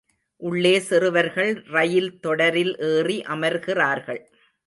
உள்ளே சிறுவர்கள் ரயில் தொடரில் ஏறி அமர்கிறார்கள்.